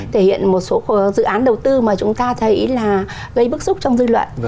thể hiện một số dự án đầu tư mà chúng ta thấy là gây bức xúc trong dư luận